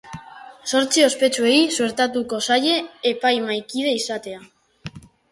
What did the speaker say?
Zortzi ospetsuei suertatuko zaie epaimahaikide izatea.